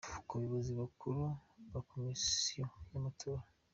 Ku Bayobozi bakuru ba Comission y’amatora,